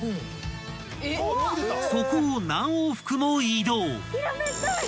［そこを何往復も移動］